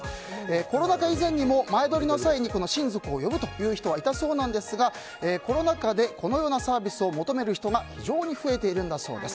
コロナ禍以前にも前撮りの際に親族を呼ぶという人はいたそうなんですがコロナ禍でこのようなサービスを求めている人が非常に増えているんだそうです。